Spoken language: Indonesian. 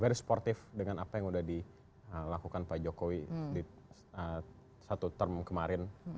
very sportif dengan apa yang sudah dilakukan pak jokowi di satu term kemarin